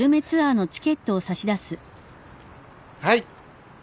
はい。